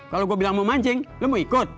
kalau gua bilang mau mancing lu mau ikut